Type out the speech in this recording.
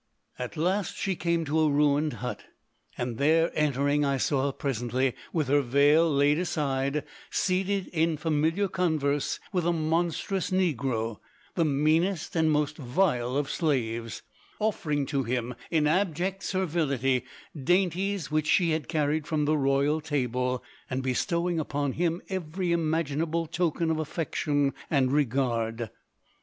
At last she came to a ruined hut, and there entering I saw her presently with her veil laid aside, seated in familiar converse with a monstrous negro, the meanest and most vile of slaves, offering to him in abject servility dainties which she had carried from the royal table, and bestowing upon him every imaginable token of affection and regard.